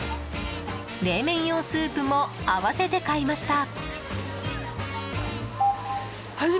冷麺用スープも併せて買いました。